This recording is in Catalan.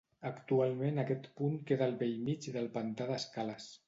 Actualment aquest punt queda al bell mig del Pantà d'Escales.